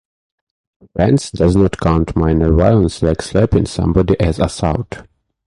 France does not count minor violence like slapping somebody as assault.